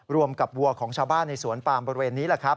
รวมกับวัวของชาวบ้านในสวนปลาบรุเวณนี้